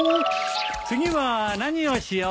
次は何をしよう。